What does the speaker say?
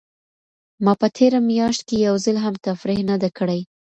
ما په تېره میاشت کې یو ځل هم تفریح نه ده کړې.